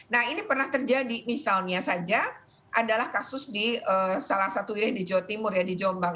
nah ini pernah terjadi misalnya saja adalah kasus di salah satu wilayah di jawa timur ya di jombang